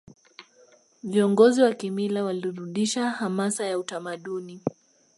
viongozi wa kimila warudisha hamasa ya utamaduni